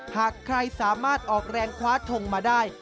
หากใครสามารถออกแรงคว้าทงมาได้